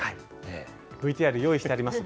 ＶＴＲ用意してあります。